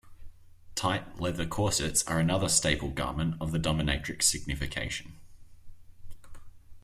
Tight, leather corsets are another staple garment of the dominatrix signification.